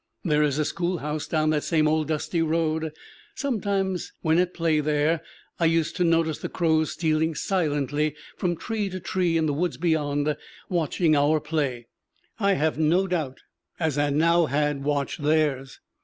There is a school house down that same old dusty road. Sometimes, when at play there, I used to notice the crows stealing silently from tree to tree in the woods beyond, watching our play, I have no doubt, as I now had watched theirs.